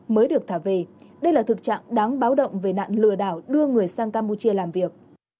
mới được thả về đây là thực trạng đáng báo động về nạn lừa đảo đưa người sang campuchia làm việc